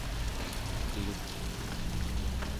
keluk